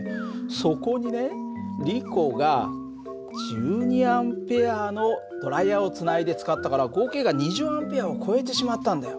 そこにねリコが１２Ａのドライヤーをつないで使ったから合計が２０Ａを超えてしまったんだよ。